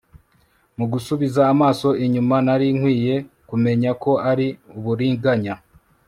Mu gusubiza amaso inyuma nari nkwiye kumenya ko ari uburiganya